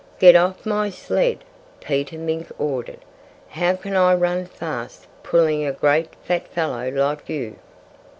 "Get off my sled!" Peter Mink ordered. "How can I run fast, pulling a great, fat fellow like you?"